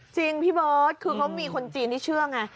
จริงพี่เบิร์ตคือเขามีคนจีนที่เชื่อไง